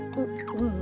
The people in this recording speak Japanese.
うん。